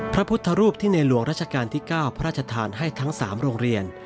พระพุทธรูปที่ในหลวงราชการที่๙พระราชทานให้ทั้ง๓โรงเรียน